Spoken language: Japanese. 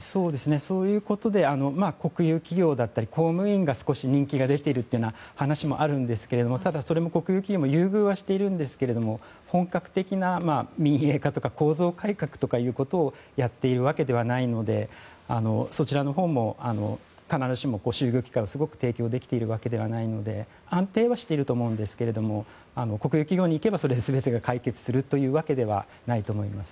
そういうことで国有企業だったり公務員が人気が出ているという話もあるんですけれどもただそれも、国有企業は優遇はしているんですが本格的な民営化とか構造改革ということをやっているわけではないのでそちらのほうも必ずしも就業機会を提供できているというわけではないので安定はしていると思うんですが国有企業に行けばそれで全てが解決するというわけではないと思います。